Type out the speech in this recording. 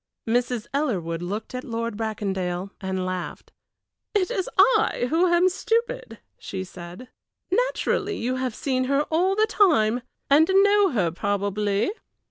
Mrs. Ellerwood looked at Lord Bracondale and laughed. "It is I who am stupid," she said. "Naturally you have seen her all the time, and know her probably.